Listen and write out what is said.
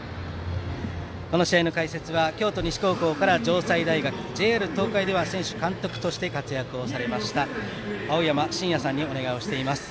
この試合の解説は京都西高校から城西大学ＪＲ東海では選手、監督として活躍されました青山眞也さんにお願いしています。